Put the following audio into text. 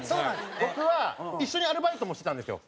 僕は一緒にアルバイトもしてたんですよ。